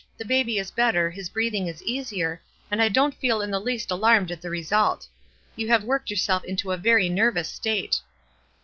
The baby is better, his breathing is easier, and I don't feel in the least alarmed at the result. You have worked yourself into a very nervous state."